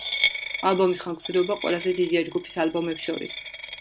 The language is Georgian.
ალბომის ხანგრძლივობა ყველაზე დიდია ჯგუფის ალბომებს შორის.